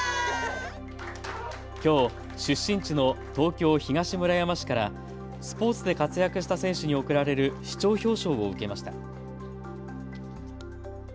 きょう出身地の東京東村山市からスポーツで活躍した選手に贈られる市長表彰を受けました。